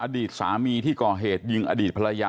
อดีตสามีที่ก่อเหตุยิงอดีตภรรยา